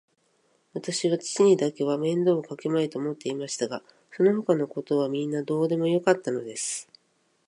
わたしは父にだけは面倒をかけまいと思っていましたが、そのほかのことはみんなどうでもよかったのです。